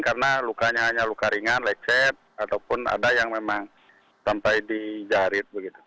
karena lukanya hanya luka ringan lecet ataupun ada yang memang sampai dijaharit begitu